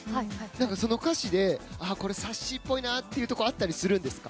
その歌詞でこれ、さっしーっぽいなっていうところあったりするんですか？